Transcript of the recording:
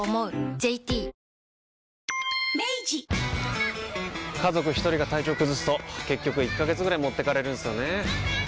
ＪＴ家族一人が体調崩すと結局１ヶ月ぐらい持ってかれるんすよねー。